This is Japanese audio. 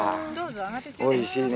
おいしいね。